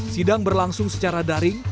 sidang berlangsung secara daring